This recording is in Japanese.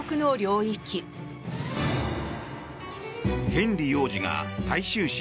ヘンリー王子が大衆紙